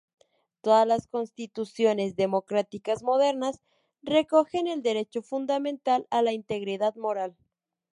Todas las constituciones democráticas modernas recogen el derecho fundamental a la integridad moral.